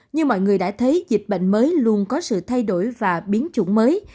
như mọi người đã thấy dịch bệnh mới luôn có sự thay đổi và biến chủng mới